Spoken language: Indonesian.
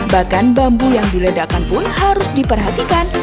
bahkan bambu yang diledakkan pun harus diperhatikan